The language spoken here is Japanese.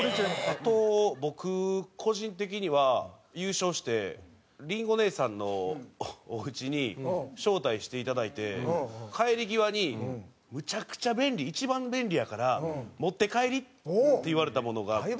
あと僕個人的には優勝してリンゴ姉さんのおうちに招待していただいて帰り際に「むちゃくちゃ便利一番便利やから持って帰り」って言われたものがあって。